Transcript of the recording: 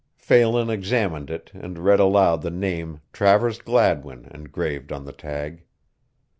Phelan examined it and read aloud the name Travers Gladwin engraved on the tag.